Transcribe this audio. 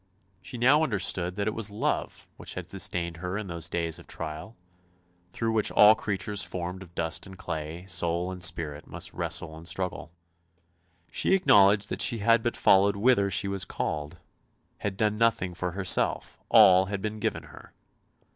She now understood that it was love which had sustained her in those days of trial, through which all creatures formed of dust and clay, soul and spirit, must wrestle and struggle. She acknowledged that she had but followed whither she was called, had done nothing for herself; all had been given her.